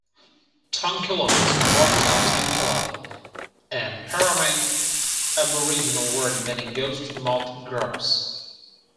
Tungkillo is a corruption of "tainkila", an Peramangk Aboriginal word meaning "ghost moth grubs".